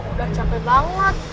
udah capek banget